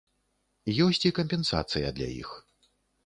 Ёсць і кампенсацыя для іх.